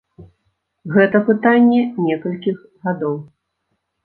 Гэта пытанне некалькіх гадоў.